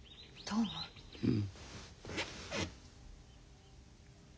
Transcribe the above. うん。